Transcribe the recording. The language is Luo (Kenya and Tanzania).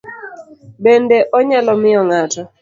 Bende onyalo miyo ng'ato